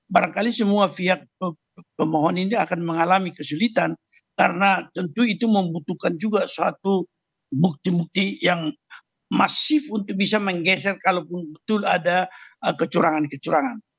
barangkali semua pihak pemohon ini akan mengalami kesulitan karena tentu itu membutuhkan juga suatu bukti bukti yang masif untuk bisa menggeser kalaupun betul ada kecurangan kecurangan